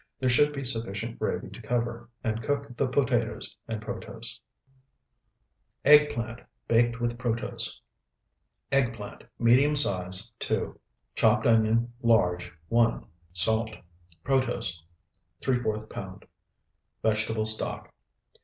There should be sufficient gravy to cover and cook the potatoes and protose. EGGPLANT BAKED WITH PROTOSE Eggplant, medium size, 2. Chopped onion, large, 1. Salt. Protose, ¾ pound. Vegetable stock.